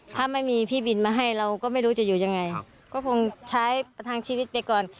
ถ้าไม่มีพี่บินมาให้เราก็ไม่รู้จะอยู่ยังไงก็คงใช้ประทังชีวิตไปก่อน